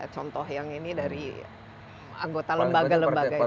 contoh yang ini dari anggota lembaga lembaga itu